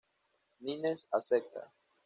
Nines acepta.